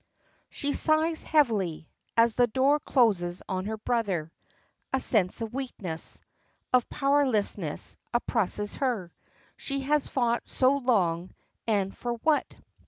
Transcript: She sighs heavily, as the door closes on her brother. A sense of weakness, of powerlessness oppresses her. She has fought so long, and for what?